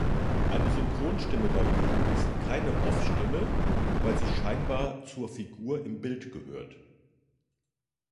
Eine Synchronstimme dagegen ist keine Off-Stimme, weil sie scheinbar zur Figur im Bild gehört.